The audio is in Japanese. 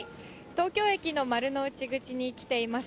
東京駅の丸の内口に来ています。